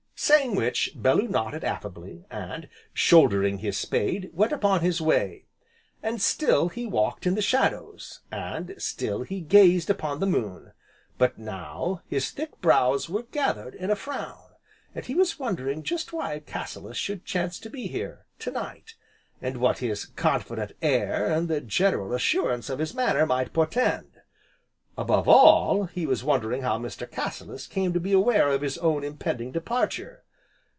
Saying which, Bellew nodded affably, and, shouldering his spade, went upon his way. And still he walked in the shadows, and still he gazed upon the moon, but now, his thick brows were gathered in a frown, and he was wondering just why Cassilis should chance to be here, to night, and what his confident air, and the general assurance of his manner might portend; above all, he was wondering how Mr. Cassilis came to be aware of his own impending departure.